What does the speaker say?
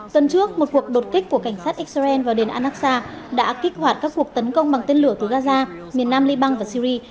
tuần trước một cuộc đột kích của cảnh sát israel vào đền anasa đã kích hoạt các cuộc tấn công bằng tên lửa từ gaza miền nam liban và syri